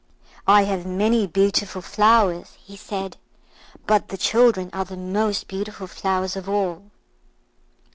"I have many beautiful flowers," he said; "but the children are the most beautiful flowers of all."